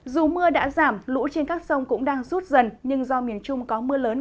dù mưa đã giảm lũ trên các sông cũng đang rút dần nhưng do miền trung có mưa lớn